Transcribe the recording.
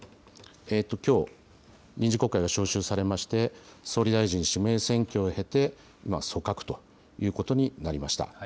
きょう、臨時国会が召集されまして、総理大臣指名選挙を経て、今、組閣ということになりました。